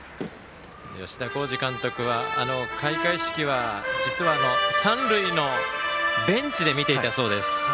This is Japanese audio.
吉田洸二監督は開会式は実は三塁のベンチで見ていたそうです。